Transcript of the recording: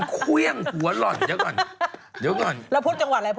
ก้าวเกะงี้ดวยควบควป